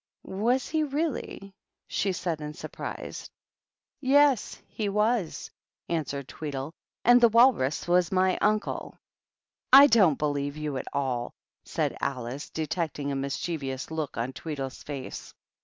"Was he? Really?" she asked, in surprise. THE TWEEDLES. 283 "Yes, he was," answered Tweedle, "and the Walrus was my uncle." " I don't believe you at all," said Alice, detect ing a mischievous look on Tweedle's face.